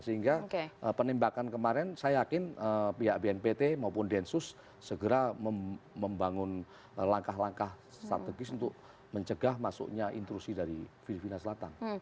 sehingga penembakan kemarin saya yakin pihak bnpt maupun densus segera membangun langkah langkah strategis untuk mencegah masuknya intrusi dari filipina selatan